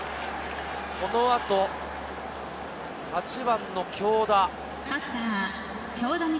このあと８番の京田。